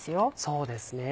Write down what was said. そうですね。